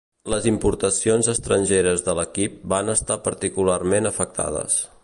Les importacions estrangeres de l'equip van estar particularment afectades.